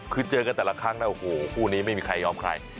คือเจอกันแต่ละครั้งนะโอ้โหคู่นี้ไม่มีใครยอมใคร